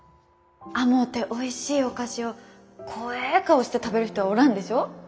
甘うておいしいお菓子を怖え顔して食べる人はおらんでしょう。